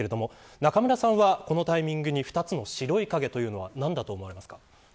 中村さんは、このタイミングに２つの白い影というのは何だと思いますか。